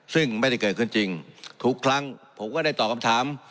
ซึ่งไม่ได้เกิดขึ้นจริงทุกครั้งผมก็ได้ตอบคำถาม